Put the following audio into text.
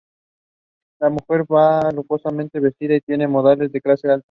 La mujer va lujosamente vestida y tiene modales de clase alta.